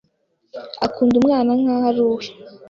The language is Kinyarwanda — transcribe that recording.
Akunda umwana nkaho ari uwe.